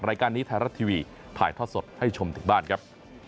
รายการนี้ไทยรัฐทีวีถ่ายทอดสดให้ชมถึงบ้านครับ